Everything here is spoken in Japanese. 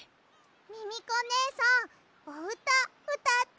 ミミコねえさんおうたうたって。